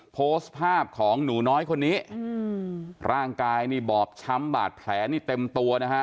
โพสต์ภาพของหนูน้อยคนนี้อืมร่างกายนี่บอบช้ำบาดแผลนี่เต็มตัวนะฮะ